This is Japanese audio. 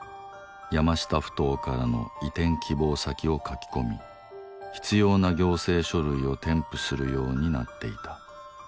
山下ふ頭からの移転希望先を書き込み必要な行政書類を添付するようになっていた。